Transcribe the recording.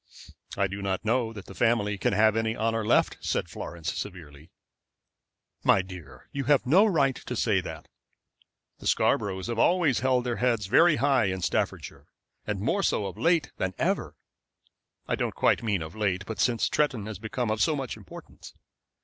"I do not know that the family can have any honor left," said Florence, severely. "My dear, you have no right to say that. The Scarboroughs have always held their heads very high in Staffordshire, and more so of late than ever. I don't mean quite of late, but since Tretton became of so much importance.